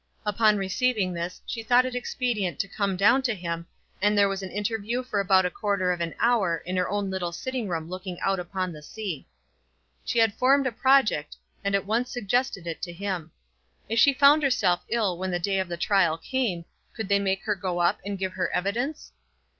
Upon receiving this she thought it expedient to come down to him, and there was an interview for about a quarter of an hour in her own little sitting room looking out upon the sea. She had formed a project, and at once suggested it to him. If she found herself ill when the day of the trial came, could they make her go up and give her evidence?